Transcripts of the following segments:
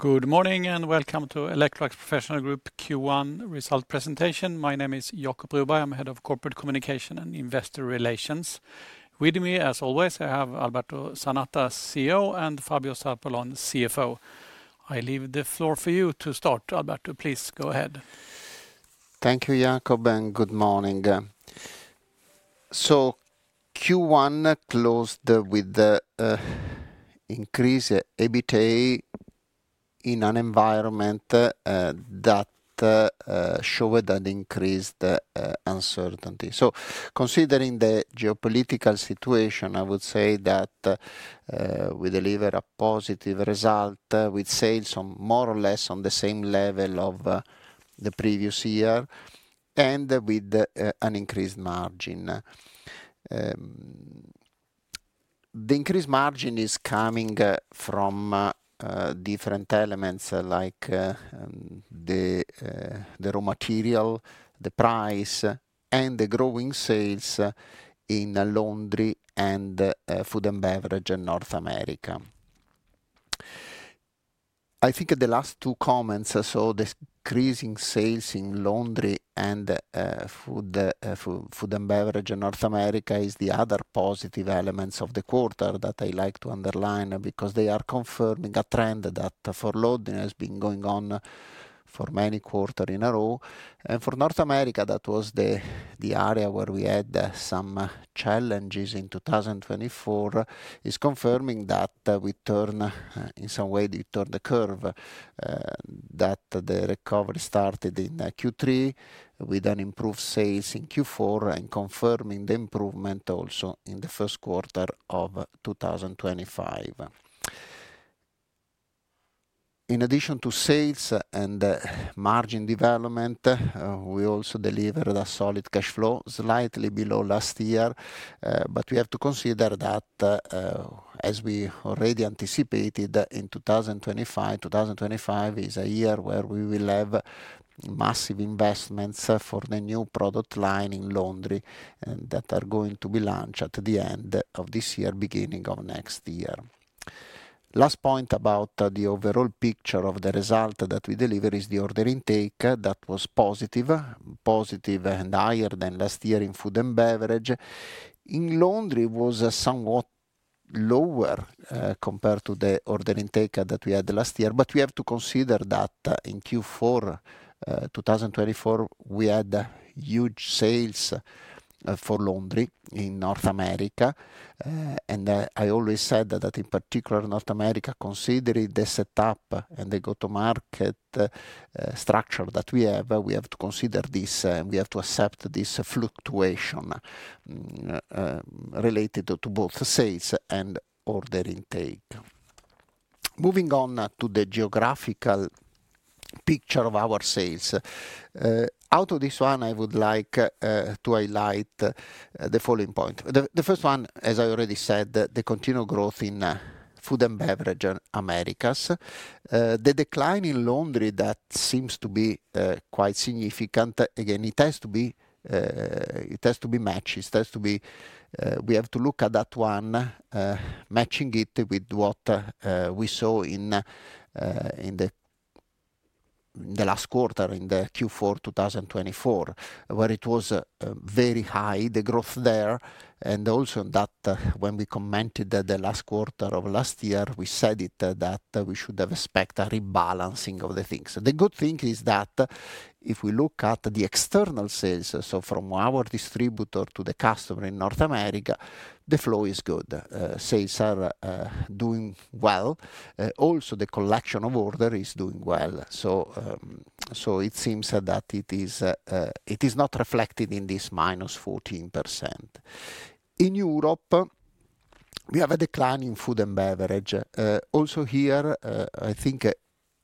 Good morning and welcome to Electrolux Professional Group Q1 Result Presentation. My name is Jacob Broberg. I'm Head of Corporate Communication and Investor Relations. With me, as always, I have Alberto Zanata, CEO, and Fabio Zarpellon, CFO. I leave the floor for you to start. Alberto, please go ahead. Thank you, Jacob, and good morning. Q1 closed with an increased EBITDA in an environment that showed an increased uncertainty. Considering the geopolitical situation, I would say that we delivered a positive result with sales more or less on the same level of the previous year and with an increased margin. The increased margin is coming from different elements like the raw material, the price, and the growing sales in Laundry and Food and Beverage in North America. I think the last two comments show the increasing sales in Laundry and Food and Beverage in North America is the other positive elements of the quarter that I like to underline because they are confirming a trend that for Laundry has been going on for many quarters in a row. For North America, that was the area where we had some challenges in 2024, is confirming that we turn in some way, we turned the curve, that the recovery started in Q3 with an improved sales in Q4 and confirming the improvement also in the first quarter of 2025. In addition to sales and margin development, we also delivered a solid cash flow, slightly below last year. We have to consider that, as we already anticipated, in 2025, 2025 is a year where we will have massive investments for the new product line in Laundry that are going to be launched at the end of this year, beginning of next year. Last point about the overall picture of the result that we delivered is the order intake that was positive, positive and higher than last year in Food and Beverage. In Laundry, it was somewhat lower compared to the order intake that we had last year. We have to consider that in Q4 2024, we had huge sales for Laundry in North America. I always said that, in particular, North America, considering the setup and the go-to-market structure that we have, we have to consider this and we have to accept this fluctuation related to both sales and order intake. Moving on to the geographical picture of our sales. Out of this one, I would like to highlight the following point. The first one, as I already said, the continued growth in Food and Beverage Americas. The decline in Laundry that seems to be quite significant. Again, it has to be matched. It has to be we have to look at that one, matching it with what we saw in the last quarter, in Q4 2024, where it was very high, the growth there. Also, when we commented that the last quarter of last year, we said that we should expect a rebalancing of the things. The good thing is that if we look at the external sales, so from our distributor to the customer in North America, the flow is good. Sales are doing well. Also, the collection of orders is doing well. It seems that it is not reflected in this -14%. In Europe, we have a decline in Food and Beverage. Also here, I think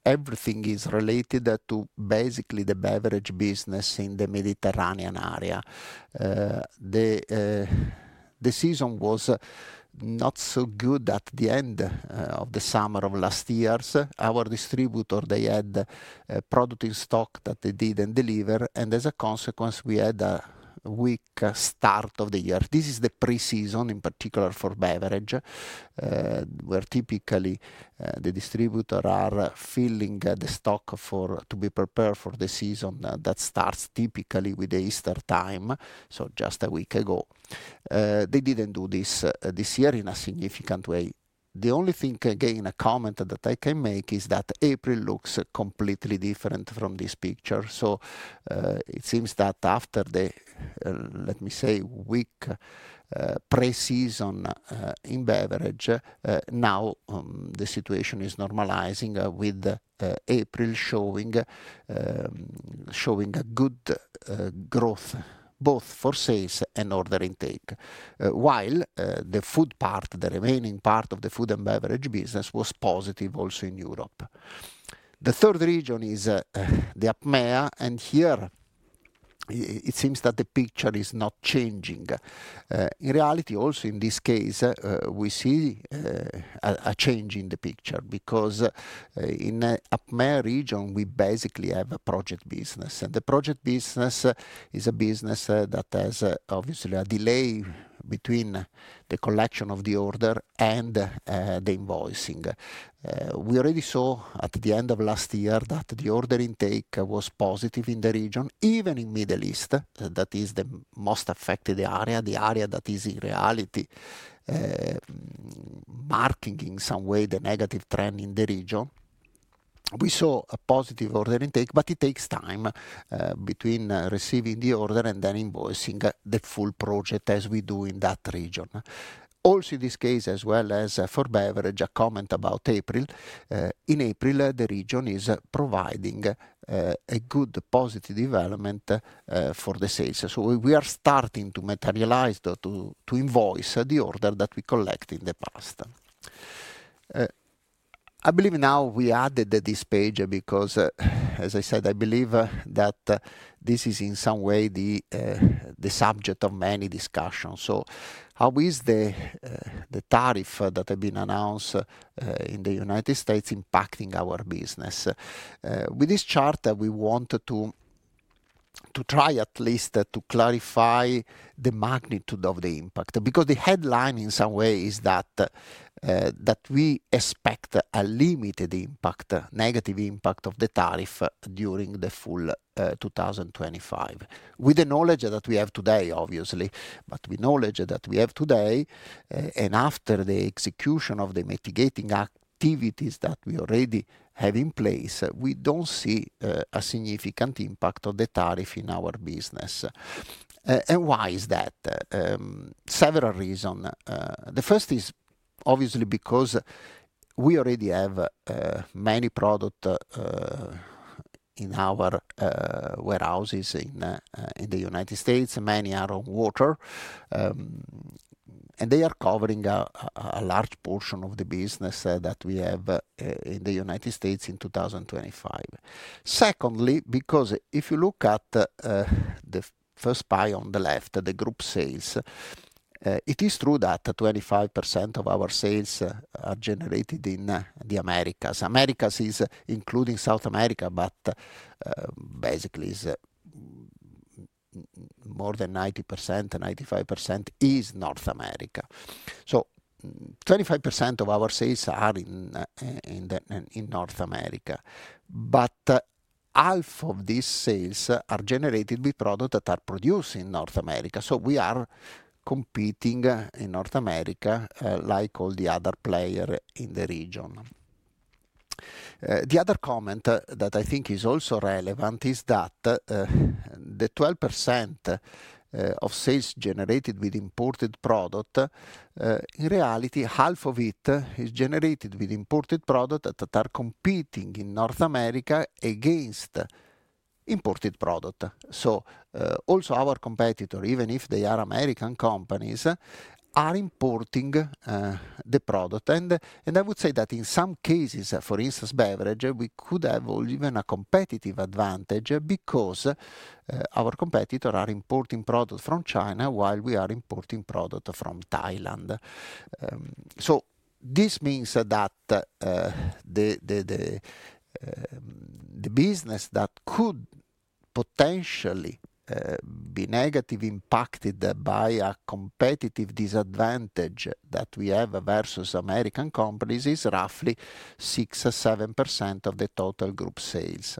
everything is related to basically the Beverage business in the Mediterranean area. The season was not so good at the end of the summer of last year. Our distributor, they had product in stock that they did not deliver. As a consequence, we had a weak start of the year. This is the pre-season, in particular for Beverage, where typically the distributor are filling the stock to be prepared for the season that starts typically with the Easter time, so just a week ago. They did not do this this year in a significant way. The only thing, again, a comment that I can make is that April looks completely different from this picture. It seems that after the, let me say, weak pre-season in Beverage, now the situation is normalizing with April showing a good growth both for sales and order intake, while the Food part, the remaining part of the Food and Beverage business was positive also in Europe. The third region is the APMEA. Here it seems that the picture is not changing. In reality, also in this case, we see a change in the picture because in the APMEA region, we basically have a project business. The project business is a business that has obviously a delay between the collection of the order and the invoicing. We already saw at the end of last year that the order intake was positive in the region, even in the Middle East, that is the most affected area, the area that is in reality marking in some way the negative trend in the region. We saw a positive order intake, but it takes time between receiving the order and then invoicing the full project as we do in that region. Also in this case, as well as for Beverage, a comment about April. In April, the region is providing a good positive development for the sales. We are starting to materialize to invoice the order that we collected in the past. I believe now we added this page because, as I said, I believe that this is in some way the subject of many discussions. How is the tariff that has been announced in the United States impacting our business? With this chart, we want to try at least to clarify the magnitude of the impact because the headline in some way is that we expect a limited impact, negative impact of the tariff during the full 2025. With the knowledge that we have today, obviously, but with knowledge that we have today and after the execution of the mitigating activities that we already have in place, we do not see a significant impact of the tariff in our business. Why is that? Several reasons. The first is obviously because we already have many products in our warehouses in the United States. Many are on water. They are covering a large portion of the business that we have in the United States in 2025. Secondly, if you look at the first pie on the left, the group sales, it is true that 25% of our sales are generated in the Americas. Americas is including South America, but basically more than 90%, 95% is North America. 25% of our sales are in North America. Half of these sales are generated with products that are produced in North America. We are competing in North America like all the other players in the region. The other comment that I think is also relevant is that the 12% of sales generated with imported product, in reality, half of it is generated with imported products that are competing in North America against imported products. Also our competitor, even if they are American companies, are importing the product. I would say that in some cases, for instance, Beverage, we could have even a competitive advantage because our competitor is importing products from China while we are importing products from Thailand. This means that the business that could potentially be negatively impacted by a competitive disadvantage that we have versus American companies is roughly 6%-7% of the total group sales.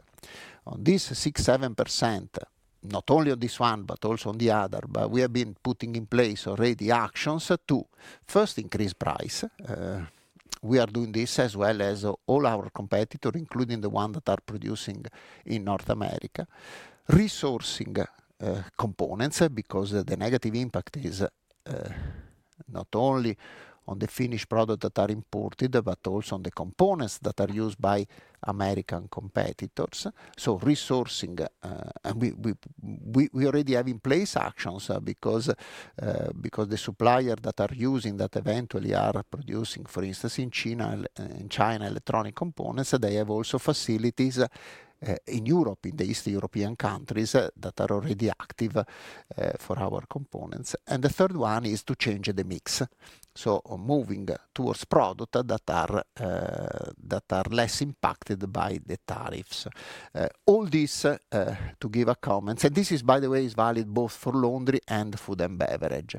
On this 6%-7%, not only on this one, but also on the other, we have been putting in place already actions to first increase price. We are doing this as well as all our competitors, including the ones that are producing in North America, resourcing components because the negative impact is not only on the finished products that are imported, but also on the components that are used by American competitors. Resourcing, we already have in place actions because the suppliers that are using that eventually are producing, for instance, in China electronic components, they have also facilities in Europe, in the Eastern European countries that are already active for our components. The third one is to change the mix. Moving towards products that are less impacted by the tariffs. All this to give a comment. This is, by the way, valid both for Laundry and Food and Beverage.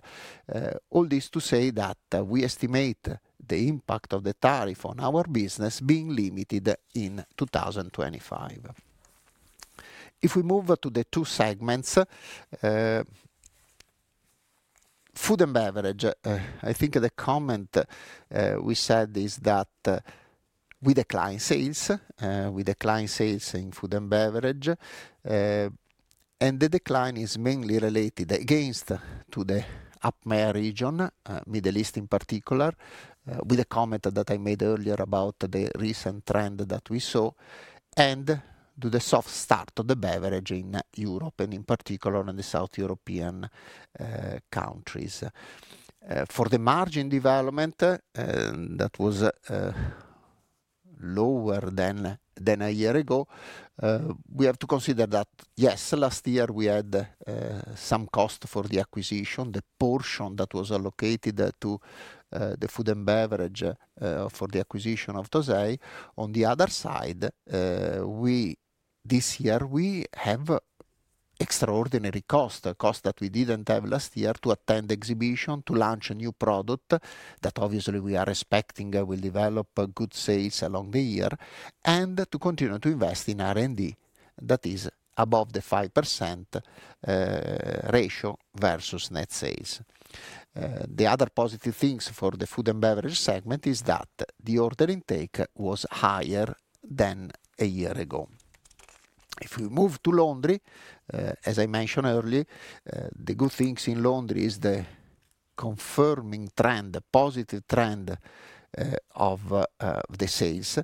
All this to say that we estimate the impact of the tariff on our business being limited in 2025. If we move to the two segments, Food and Beverage, I think the comment we said is that we decline sales, we decline sales in Food and Beverage. The decline is mainly related again to the APMEA region, Middle East in particular, with the comment that I made earlier about the recent trend that we saw and to the soft start of the Beverage in Europe and in particular in the South European countries. For the margin development that was lower than a year ago, we have to consider that, yes, last year we had some cost for the acquisition, the portion that was allocated to the Food and Beverage for the acquisition of Tosei. On the other side, this year we have extraordinary costs, costs that we did not have last year to attend exhibition, to launch a new product that obviously we are expecting will develop good sales along the year and to continue to invest in R&D that is above the 5% ratio versus net sales. The other positive things for the Food & Beverage segment is that the order intake was higher than a year ago. If we move to Laundry, as I mentioned earlier, the good things in Laundry is the confirming trend, the positive trend of the sales.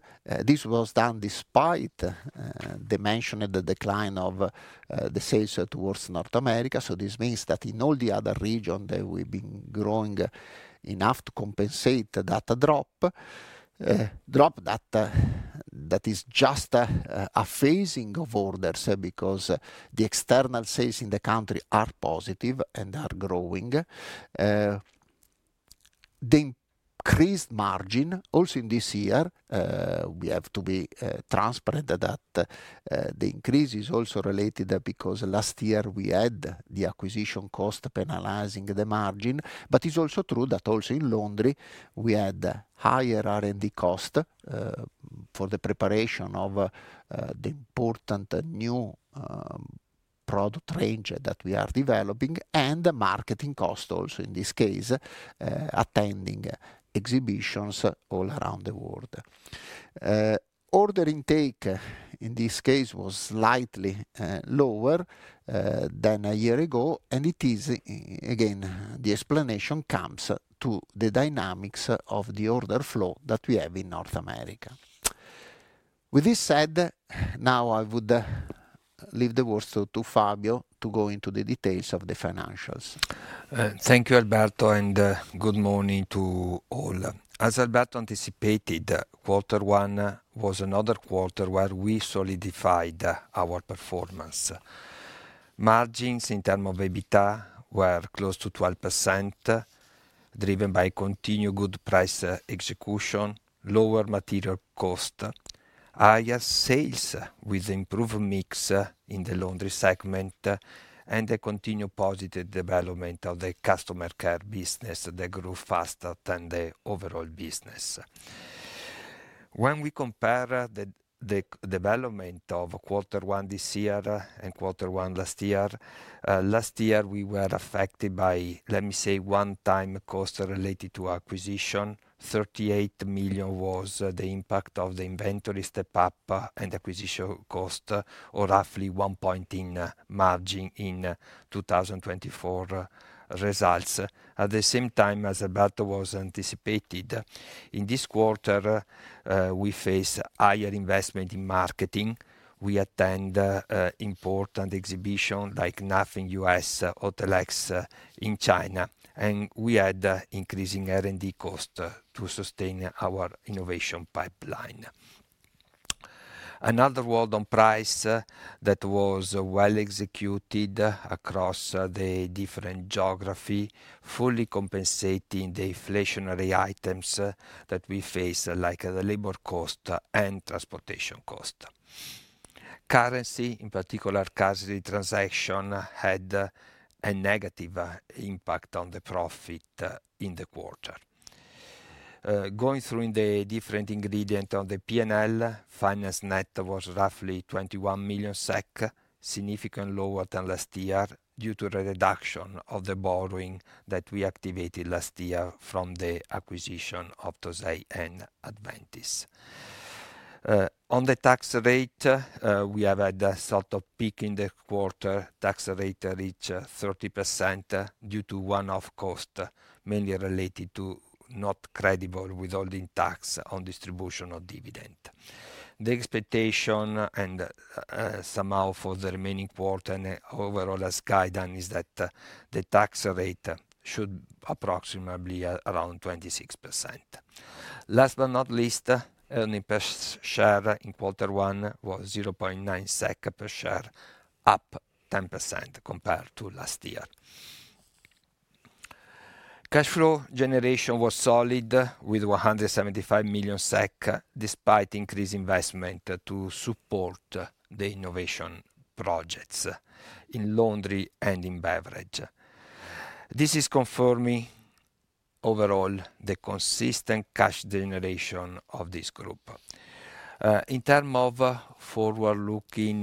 This was done despite the mention of the decline of the sales towards North America. This means that in all the other regions, we have been growing enough to compensate that drop that is just a phasing of orders because the external sales in the country are positive and are growing. The increased margin, also in this year, we have to be transparent that the increase is also related because last year we had the acquisition cost penalizing the margin. It is also true that also in laundry, we had higher R&D costs for the preparation of the important new product range that we are developing and marketing costs also in this case, attending exhibitions all around the world. Order intake in this case was slightly lower than a year ago. It is, again, the explanation comes to the dynamics of the order flow that we have in North America. With this said, now I would leave the words to Fabio to go into the details of the financials. Thank you, Alberto, and good morning to all. As Alberto anticipated, quarter one was another quarter where we solidified our performance. Margins in terms of EBITDA were close to 12%, driven by continued good price execution, lower material cost, higher sales with improved mix in the Laundry segment, and the continued positive development of the customer care business that grew faster than the overall business. When we compare the development of quarter one this year and quarter one last year, last year we were affected by, let me say, one-time costs related to acquisition. 38 million was the impact of the inventory step-up and acquisition cost, or roughly one point in margin in 2024 results. At the same time as Alberto was anticipated, in this quarter, we faced higher investment in marketing. We attended important exhibitions like NAFEM U.S., HOTELEX in China, and we had increasing R&D costs to sustain our innovation pipeline. Another world on price that was well executed across the different geography, fully compensating the inflationary items that we faced, like the labor cost and transportation cost. Currency, in particular, currency transaction had a negative impact on the profit in the quarter. Going through the different ingredients on the P&L, finance net was roughly 21 million SEK, significantly lower than last year due to the reduction of the borrowing that we activated last year from the acquisition of Tosei and Adventys. On the tax rate, we have had a sort of peak in the quarter. Tax rate reached 30% due to one-off cost, mainly related to non-creditable withholding tax on distribution of dividend. The expectation and somehow for the remaining quarter and overall as guidance is that the tax rate should approximately be around 26%. Last but not least, earnings per share in quarter one was 0.9 SEK per share, up 10% compared to last year. Cash flow generation was solid with 175 million SEK despite increased investment to support the innovation projects in Laundry and in Beverage. This is confirming overall the consistent cash generation of this group. In terms of forward-looking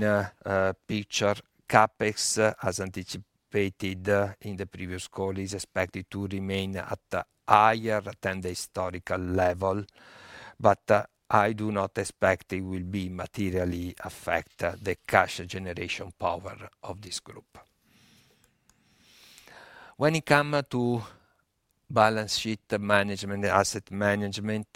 picture, CapEx, as anticipated in the previous call, is expected to remain at a higher than the historical level, but I do not expect it will be materially affecting the cash generation power of this group. When it comes to balance sheet management and asset management,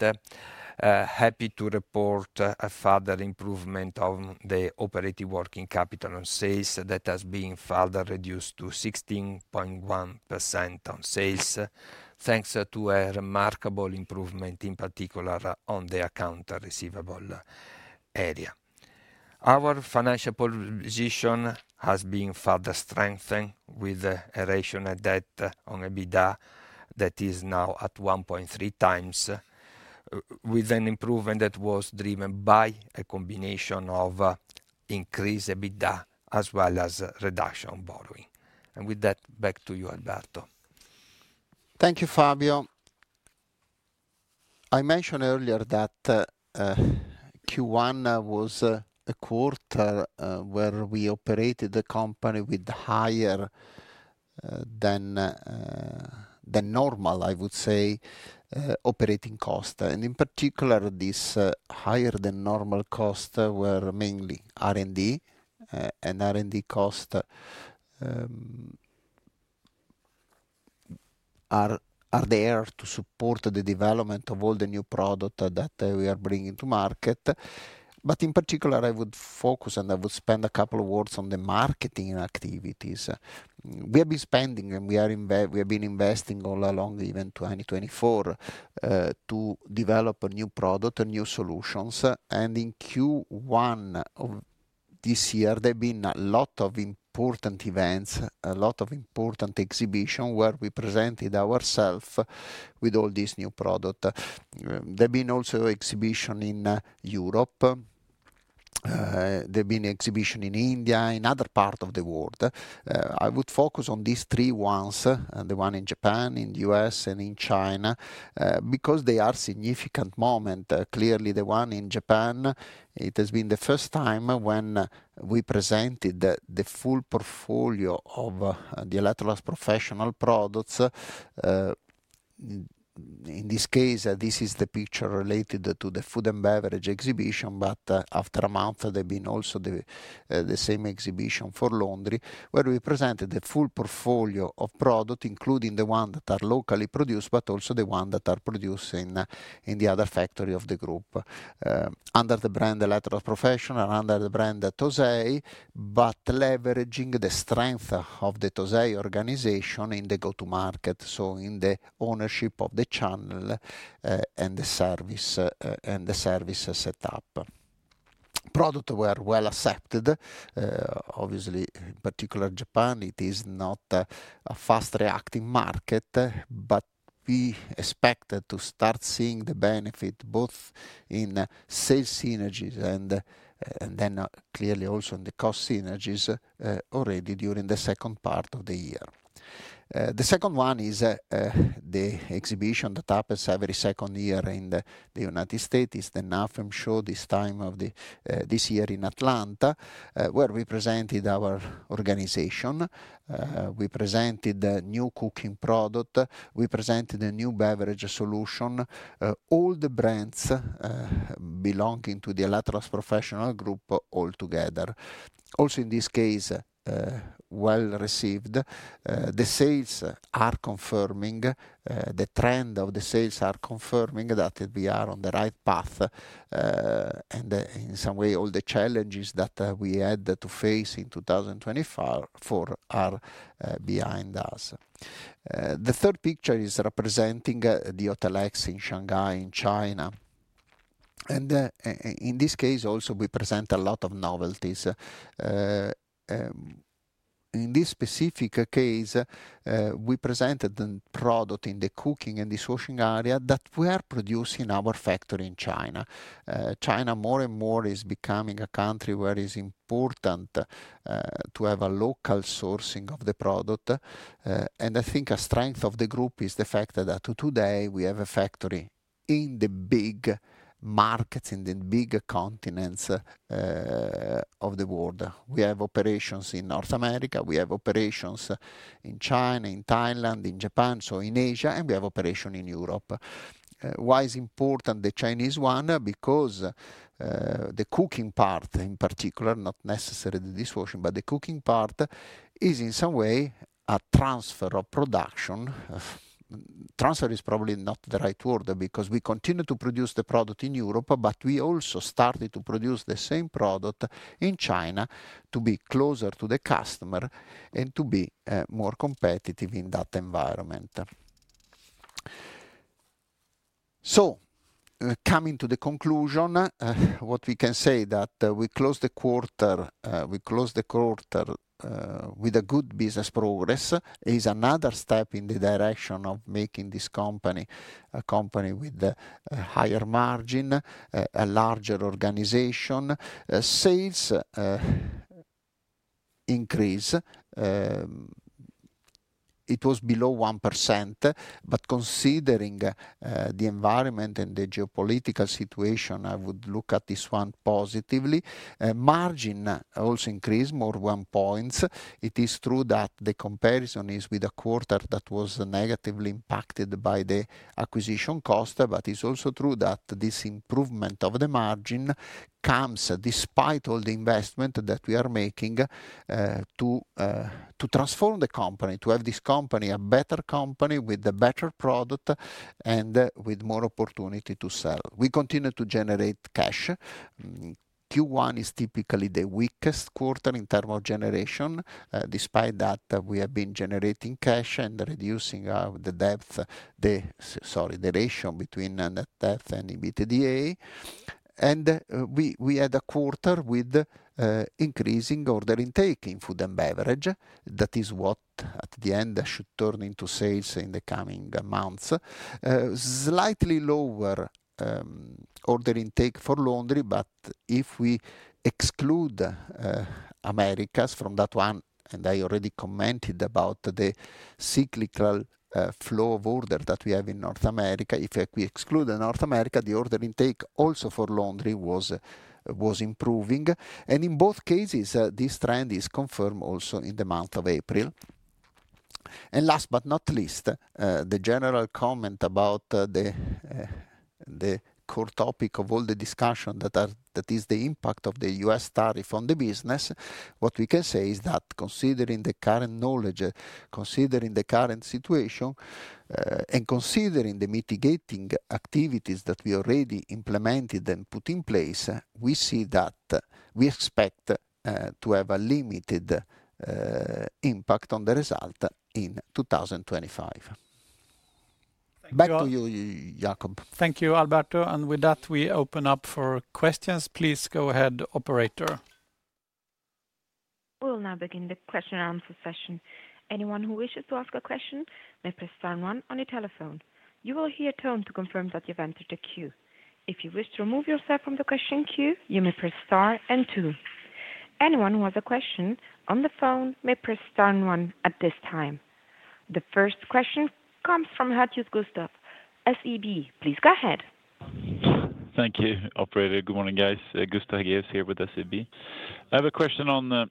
happy to report a further improvement of the operating working capital on sales that has been further reduced to 16.1% on sales, thanks to a remarkable improvement in particular on the account receivable area. Our financial position has been further strengthened with the net debt on EBITDA that is now at 1.3x, with an improvement that was driven by a combination of increased EBITDA as well as reduction on borrowing. With that, back to you, Alberto. Thank you, Fabio. I mentioned earlier that Q1 was a quarter where we operated the company with higher than normal, I would say, operating costs. In particular, these higher than normal costs were mainly R&D, and R&D costs are there to support the development of all the new products that we are bringing to market. In particular, I would focus and I would spend a couple of words on the marketing activities. We have been spending and we have been investing all along, even 2024, to develop a new product, a new solution. In Q1 of this year, there have been a lot of important events, a lot of important exhibitions where we presented ourselves with all these new products. There have been also exhibitions in Europe. There have been exhibitions in India, in other parts of the world. I would focus on these three ones, the one in Japan, in the U.S., and in China, because they are significant moments. Clearly, the one in Japan, it has been the first time when we presented the full portfolio of the Electrolux Professional products. In this case, this is the picture related to the Food and Beverage exhibition, but after a month, there have been also the same exhibition for Laundry, where we presented the full portfolio of products, including the ones that are locally produced, but also the ones that are produced in the other factories of the group, under the brand Electrolux Professional, under the brand Tosei, but leveraging the strength of the Tosei Organization in the go-to-market, in the ownership of the channel and the service setup. Products were well accepted. Obviously, in particular, Japan, it is not a fast-reacting market, but we expected to start seeing the benefit both in sales synergies and then clearly also in the cost synergies already during the second part of the year. The second one is the exhibition that happens every second year in the United States, the NAFEM show this time of this year in Atlanta, where we presented our organization. We presented the new cooking product. We presented a new beverage solution. All the brands belonging to the Electrolux Professional Group altogether. Also, in this case, well received. The sales are confirming. The trend of the sales is confirming that we are on the right path. In some way, all the challenges that we had to face in 2024 are behind us. The third picture is representing the HOTELEX in Shanghai, in China. In this case, also, we present a lot of novelties. In this specific case, we presented the product in the cooking and dishwashing area that we are producing in our factory in China. China more and more is becoming a country where it is important to have a local sourcing of the product. I think a strength of the group is the fact that today we have a factory in the big markets, in the big continents of the world. We have operations in North America. We have operations in China, in Thailand, in Japan, so in Asia, and we have operations in Europe. Why is it important, the Chinese one? Because the cooking part, in particular, not necessarily the dishwashing, but the cooking part is in some way a transfer of production. Transfer is probably not the right word because we continue to produce the product in Europe, but we also started to produce the same product in China to be closer to the customer and to be more competitive in that environment. Coming to the conclusion, what we can say is that we closed the quarter with good business progress. It is another step in the direction of making this company a company with a higher margin, a larger organization. Sales increase. It was below 1%, but considering the environment and the geopolitical situation, I would look at this one positively. Margin also increased more than one point. It is true that the comparison is with a quarter that was negatively impacted by the acquisition cost, but it's also true that this improvement of the margin comes despite all the investment that we are making to transform the company, to have this company a better company with a better product and with more opportunity to sell. We continue to generate cash. Q1 is typically the weakest quarter in terms of generation. Despite that, we have been generating cash and reducing the debt, sorry, the ratio between net debt and EBITDA. We had a quarter with increasing order intake in Food and Beverage. That is what at the end should turn into sales in the coming months. Slightly lower order intake for Laundry, but if we exclude Americas from that one, and I already commented about the cyclical flow of order that we have in North America, if we exclude North America, the order intake also for Laundry was improving. In both cases, this trend is confirmed also in the month of April. Last but not least, the general comment about the core topic of all the discussion that is the impact of the U.S. tariff on the business, what we can say is that considering the current knowledge, considering the current situation, and considering the mitigating activities that we already implemented and put in place, we see that we expect to have a limited impact on the result in 2025. Back to you, Jacob. Thank you, Alberto. With that, we open up for questions. Please go ahead, operator. We will now begin the question and answer session. Anyone who wishes to ask a question may press star and one on your telephone. You will hear a tone to confirm that you've entered a queue. If you wish to remove yourself from the question queue, you may press star and two. Anyone who has a question on the phone may press star and one at this time. The first question comes from Hagéus Gustav, SEB. Please go ahead. Thank you, operator. Good morning, guys. Gustav here with SEB. I have a question on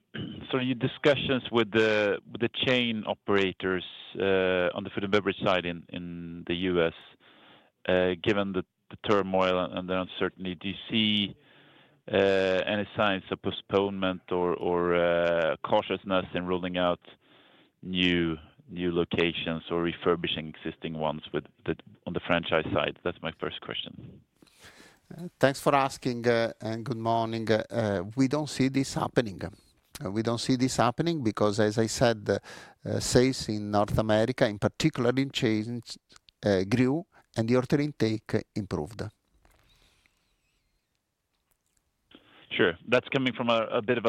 sort of your discussions with the chain operators on the Food and Beverage side in the U.S. Given the turmoil and the uncertainty, do you see any signs of postponement or cautiousness in rolling out new locations or refurbishing existing ones on the franchise side? That's my first question. Thanks for asking and good morning. We don't see this happening. We don't see this happening because, as I said, sales in North America, in particular in chains, grew and the order intake improved. Sure. That's coming from a bit of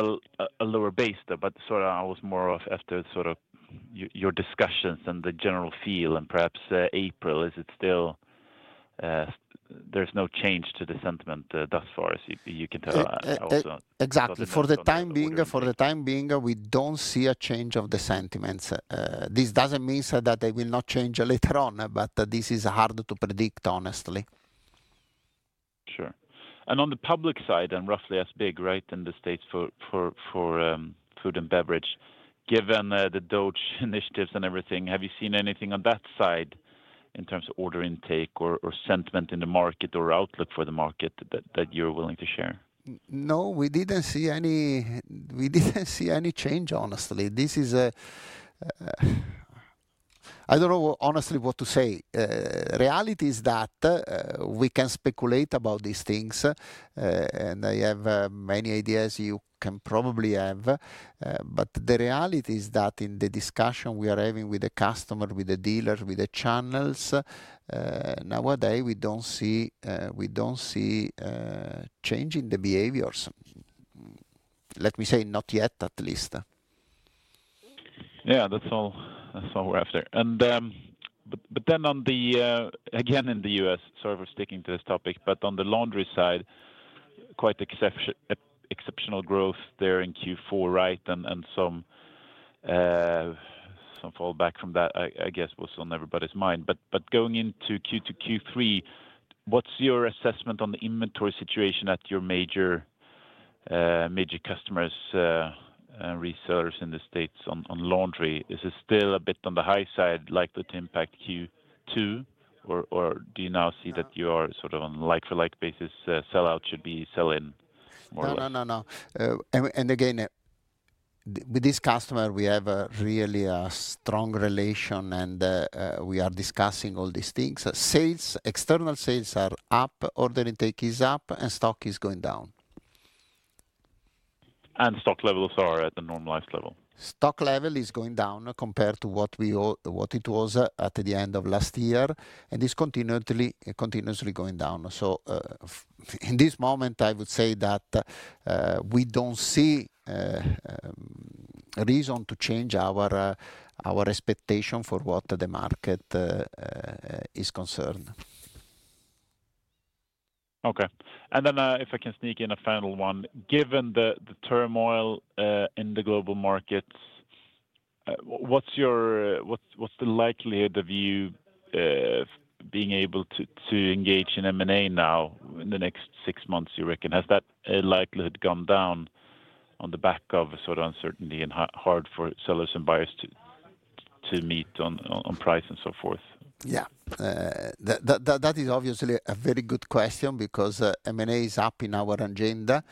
a lower base, but sort of I was more after sort of your discussions and the general feel and perhaps April, is it still there's no change to the sentiment thus far as you can tell. Exactly. For the time being, for the time being, we don't see a change of the sentiments. This doesn't mean that they will not change later on, but this is hard to predict, honestly. Sure. On the public side and roughly as big, right, in the states for Food and Beverage, given the DOGE initiatives and everything, have you seen anything on that side in terms of order intake or sentiment in the market or outlook for the market that you're willing to share? No, we didn't see any, we didn't see any change, honestly. This is a I don't know, honestly, what to say. Reality is that we can speculate about these things, and I have many ideas you can probably have, but the reality is that in the discussion we are having with the customers, with the dealers, with the channels, nowadays, we do not see change in the behaviors. Let me say not yet, at least. Yeah, that's all. Then on the again in the U.S., sort of sticking to this topic, on the Laundry side, quite exceptional growth there in Q4, right, and some fallback from that, I guess, was on everybody's mind. Going into Q2, Q3, what is your assessment on the inventory situation at your major customers and resellers in the states on laundry? Is it still a bit on the high side, likely to impact Q2, or do you now see that you are sort of on like-for-like basis, sell-out should be sell-in more? No, no, no, no. Again, with this customer, we have really a strong relation, and we are discussing all these things. Sales, external sales are up, order intake is up, and stock is going down. Stock levels are at a normalized level. Stock level is going down compared to what it was at the end of last year, and it is continuously going down. In this moment, I would say that we do not see a reason to change our expectation for what the market is concerned. Okay. If I can sneak in a final one, given the turmoil in the global markets, what's the likelihood of you being able to engage in M&A now in the next six months, you reckon? Has that likelihood gone down on the back of sort of uncertainty and hard for sellers and buyers to meet on price and so forth? Yeah. That is obviously a very good question because M&A is up in our agenda.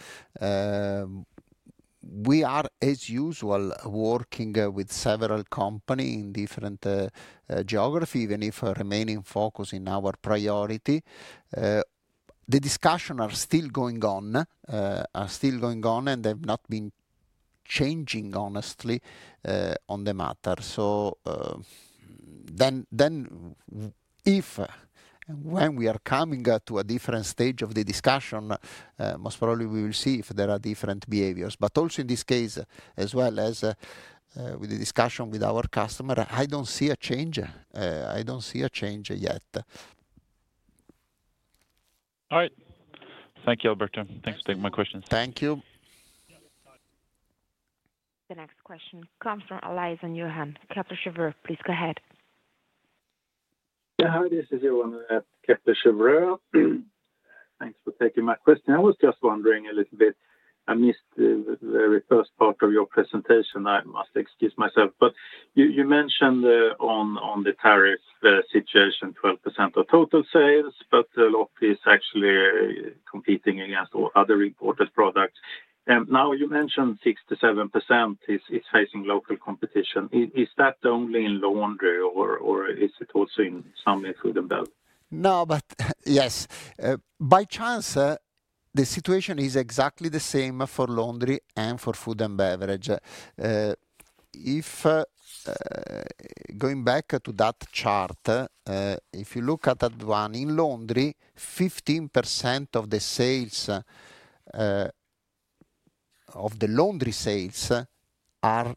We are, as usual, working with several companies in different geographies, even if remaining focused in our priority. The discussions are still going on, and they've not been changing, honestly, on the matter. If and when we are coming to a different stage of the discussion, most probably we will see if there are different behaviors. But also in this case, as well as with the discussion with our customer, I don't see a change. I don't see a change yet. All right. Thank you, Alberto. Thanks for taking my questions. Thank you. The next question comes from Eliason, Johan. Kepler Cheuvreux, please go ahead. Yeah, hi, this is Johan at Kepler Cheuvreux. Thanks for taking my question. I was just wondering a little bit. I missed the very first part of your presentation. I must excuse myself. But you mentioned on the tariff situation, 12% of total sales, but a lot is actually competing against other imported products. Now, you mentioned 6-7% is facing local competition. Is that only in Laundry, or is it also in some in Food and Beverage? No, but yes. By chance, the situation is exactly the same for Laundry and for Food and Beverage. If going back to that chart, if you look at that one in Laundry, 15% of the sales of the Laundry sales are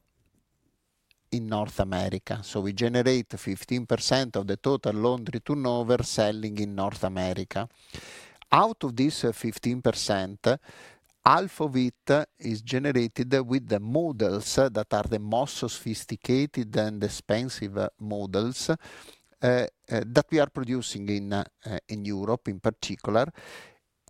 in North America. We generate 15% of the total Laundry turnover selling in North America. Out of this 15%, half of it is generated with the models that are the most sophisticated and expensive models that we are producing in Europe, in particular.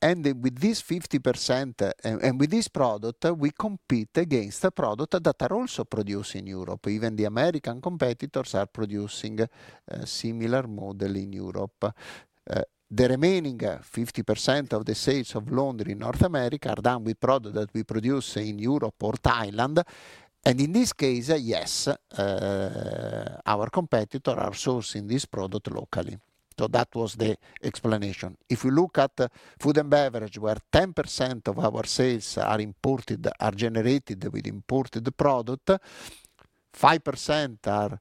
With this 50% and with this product, we compete against the product that are also produced in Europe. Even the American competitors are producing similar models in Europe. The remaining 50% of the sales of Laundry in North America are done with products that we produce in Europe or Thailand. In this case, our competitors are sourcing this product locally. That was the explanation. If we look at Food and Beverage, where 10% of our sales are generated with imported product, 5% are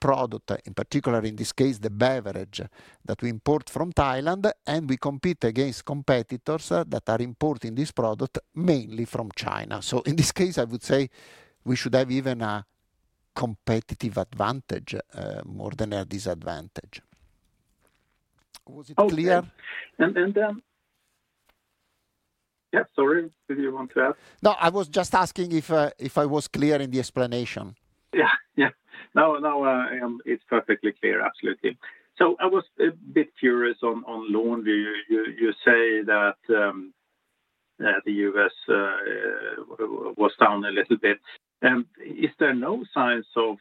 product, in particular in this case, the Beverage that we import from Thailand, and we compete against competitors that are importing this product mainly from China. In this case, I would say we should have even a competitive advantage more than a disadvantage. Was it clear? No, I was just asking if I was clear in the explanation. Yeah, yeah. No, no, it's perfectly clear, absolutely. I was a bit curious on Laundry. You say that the U.S. was down a little bit. Is there no signs of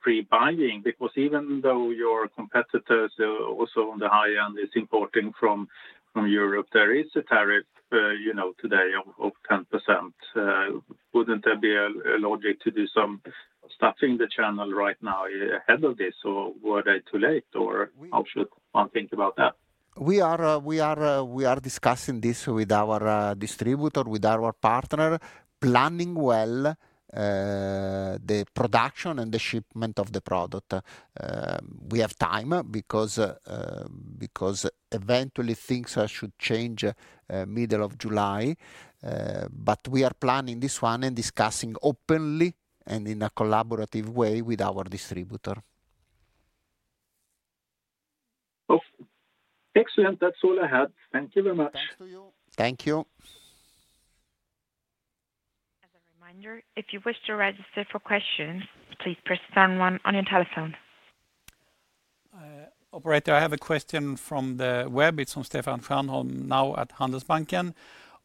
pre-buying? Because even though your competitors are also on the high end, it's importing from Europe, there is a tariff today of 10%. Wouldn't there be a logic to do some stuffing the channel right now ahead of this? Or were they too late, or how should one think about that? We are discussing this with our distributor, with our partner, planning well the production and the shipment of the product. We have time because eventually things should change middle of July. We are planning this one and discussing openly and in a collaborative way with our distributor. Excellent. That's all I had. Thank you very much. Thank you. As a reminder, if you wish to register for questions, please press star and one on your telephone. Operator, I have a question from the web. It's from Stefan Stjernholm, now at Handelsbanken.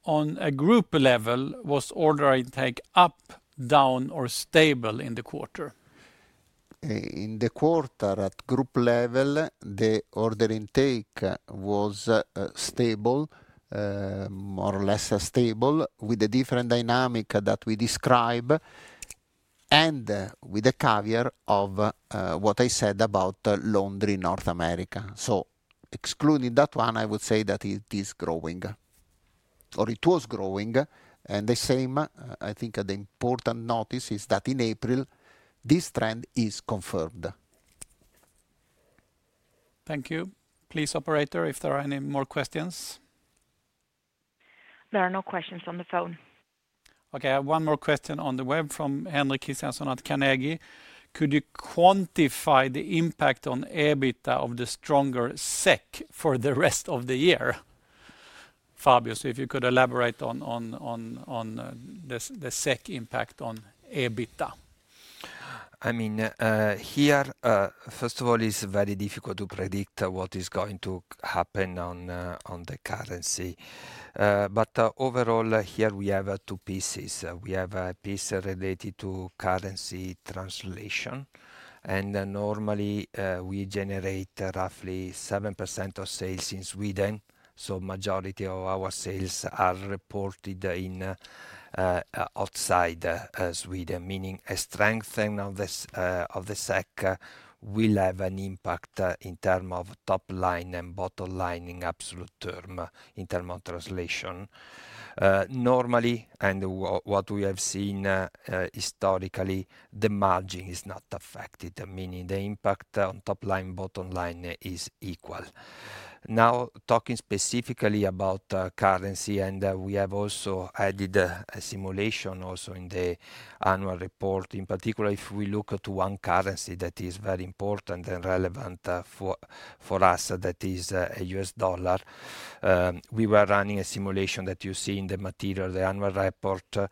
On a group level, was order intake up, down, or stable in the quarter? In the quarter at group level, the order intake was stable, more or less stable, with the different dynamic that we described and with the caveat of what I said about Laundry in North America. Excluding that one, I would say that it is growing, or it was growing. I think the important notice is that in April, this trend is confirmed. Thank you. Please, operator, if there are any more questions. There are no questions on the phone. Okay, I have one more question on the web from Henrik Christiansson at Carnegie. Could you quantify the impact on EBITDA of the stronger SEK for the rest of the year? Fabio, if you could elaborate on the SEK impact on EBITDA. I mean, here, first of all, it is very difficult to predict what is going to happen on the currency. Overall, here we have two pieces. We have a piece related to currency translation. Normally, we generate roughly 7% of sales in Sweden. The majority of our sales are reported outside Sweden, meaning a strengthening of the SEK will have an impact in terms of top line and bottom line in absolute term in terms of translation. Normally, and what we have seen historically, the margin is not affected, meaning the impact on top line, bottom line is equal. Now, talking specifically about currency, we have also added a simulation also in the annual report. In particular, if we look at one currency that is very important and relevant for us, that is a U.S. dollar, we were running a simulation that you see in the material, the annual report, a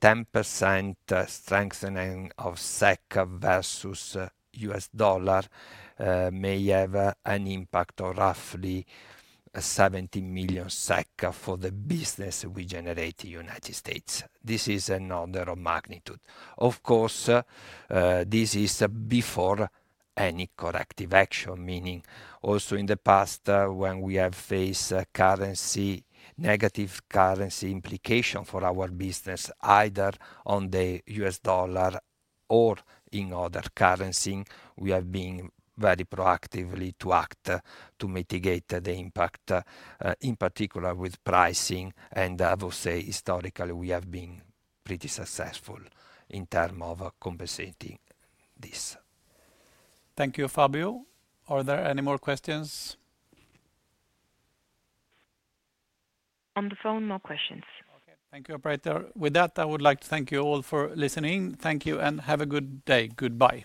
10% strengthening of SEK versus U.S. dollar may have an impact of roughly 17 million SEK for the business we generate in the United States. This is an order of magnitude. Of course, this is before any corrective action, meaning also in the past, when we have faced negative currency implications for our business, either on the U.S. dollar or in other currencies, we have been very proactively to act to mitigate the impact, in particular with pricing. I will say historically, we have been pretty successful in terms of compensating this. Thank you, Fabio. Are there any more questions? On the phone, more questions. Okay, thank you, operator. With that, I would like to thank you all for listening. Thank you and have a good day. Goodbye.